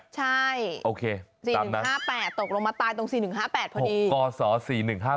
ใช่ตกลงมาตายตรง๔๑๕๘พอดี